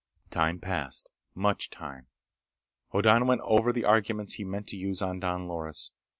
Time passed. Much time. Hoddan went over the arguments he meant to use on Don Loris.